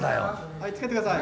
はいつけてください。